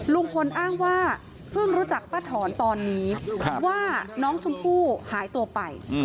ลุงพลอ้างว่าเพิ่งรู้จักป้าถอนตอนนี้ว่าน้องชมพู่หายตัวไป